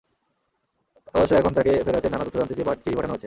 অবশ্য এখন তাঁকে ফেরাতে নানা তথ্য জানতে চেয়ে চিঠি পাঠানো হচ্ছে।